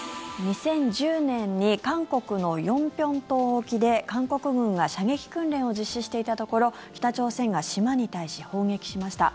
２０１０年に韓国の延坪島沖で韓国軍が射撃訓練を実施していたところ北朝鮮が島に対し砲撃しました。